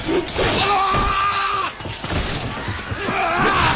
ああ。